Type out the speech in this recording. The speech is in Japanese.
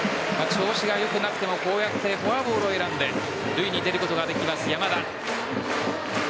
調子が良くなくてもこうやってフォアボールを選んで塁に出ることができる山田。